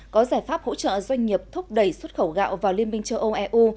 có giải pháp hỗ trợ doanh nghiệp thúc đẩy xuất khẩu gạo vào liên minh châu âu eu